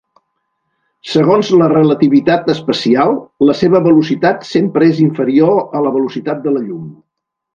Segons la relativitat especial, la seva velocitat sempre és inferior a la velocitat de la llum.